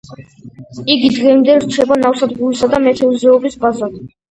იგი დღემდე რჩება ნავსადგურისა და მეთევზეობის ბაზად.